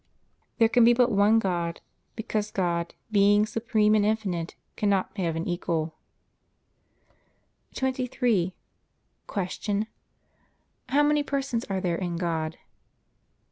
A. There can be but one God, because God, being supreme and infinite, cannot have an equal. 23. Q. How many Persons are there in God?